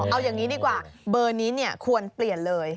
เอาอย่างนี้ดีกว่าเบอร์นี้ควรเปลี่ยนเลย